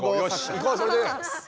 いこうそれでいけ！